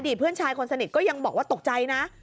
เพื่อนชายคนสนิทก็ยังบอกว่าตกใจนะ